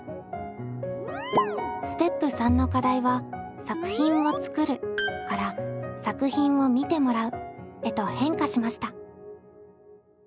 ステップ３の課題は「作品を作る」から「作品を見てもらう」へと変化しました。